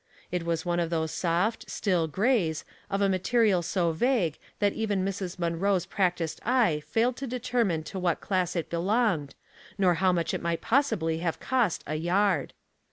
It was one of those soft, still grays, of a material so vasrue that even Mrs. Munroe's practiced eye failed to determine to what class it belonged, nor how much it might possibly have cost a yard.